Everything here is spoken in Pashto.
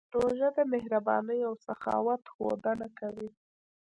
روژه د مهربانۍ او سخاوت ښودنه کوي.